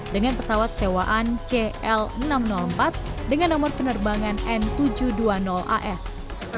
dengan pesawat sewaan cl enam ratus empat dengan nomor penerbangan n tujuh ratus dua puluh as